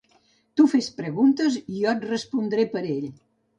Tu fes-li preguntes i jo et respondré per ell.